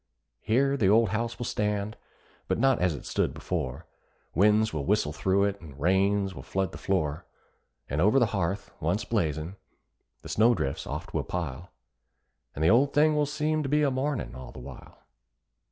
Here the old house will stand, but not as it stood before: Winds will whistle through it, and rains will flood the floor; And over the hearth, once blazing, the snow drifts oft will pile, And the old thing will seem to be a mournin' all the while.